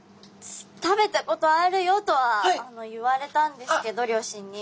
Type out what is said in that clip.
食べたことあるよとは言われたんですけど両親に。